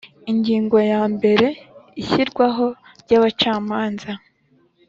Ingingo ya mbere Ishyirwaho ry abacamanza